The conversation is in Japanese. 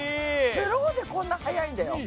スローでこんな速いんだよ。